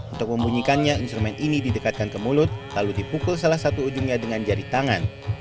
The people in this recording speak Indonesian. untuk membunyikannya instrumen ini didekatkan ke mulut lalu dipukul salah satu ujungnya dengan jari tangan